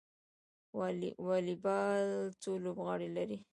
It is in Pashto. والیبال څو لوبغاړي لري؟